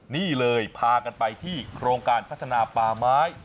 นี่เลยพากันไปที่โครงการพัฒนาป่าไม้